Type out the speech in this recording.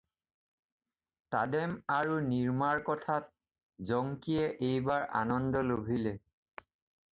তামেদ আৰু নিৰমাৰ কথাত জংকিয়ে এইবাৰ আনন্দ লভিলে।